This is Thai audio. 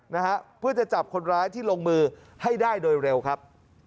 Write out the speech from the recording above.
นะฮะเพื่อจะจับคนร้ายที่ลงมือให้ได้โดยเร็วครับ